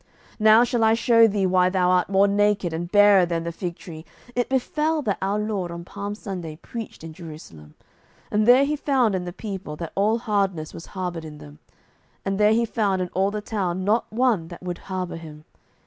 "Now shall I show thee why thou art more naked and barer than the fig tree. It befell that our Lord on Palm Sunday preached in Jerusalem, and there He found in the people that all hardness was harboured in them, and there He found in all the town not one that would harbour Him.